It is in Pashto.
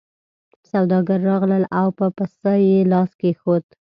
سوداګر راغلل او په پسه یې لاس کېښود.